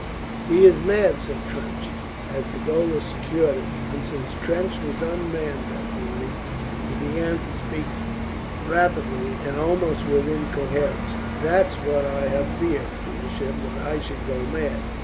"He is mad!" said Trench, as the gaolers secured him; and since Trench was unmanned that morning he began to speak rapidly and almost with incoherence. "That's what I have feared, Feversham, that I should go mad.